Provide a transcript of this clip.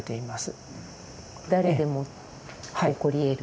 誰でも起こり得る。